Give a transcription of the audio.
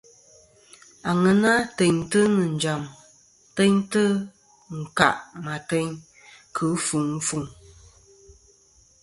Aŋena teyntɨ nɨ̀ njàm teyntɨ ɨnkâˈ ateyn kɨ ɨfuŋ ɨfuŋ.